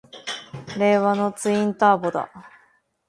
令和のツインターボだ！